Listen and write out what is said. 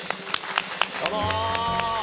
どうも！